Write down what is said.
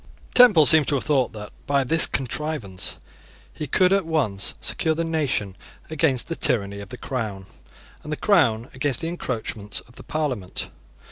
Temple seems to have thought that, by this contrivance, he could at once secure the nation against the tyranny of the Crown, and the Crown against the encroachments of the Parliament.